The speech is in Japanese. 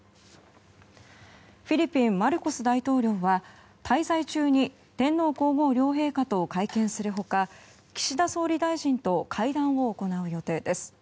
フィリピン、マルコス大統領は滞在中に天皇・皇后両陛下と会見する他岸田総理大臣と会談を行う予定です。